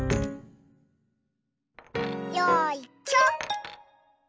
よいしょ。